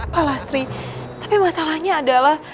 pak lasri tapi masalahnya adalah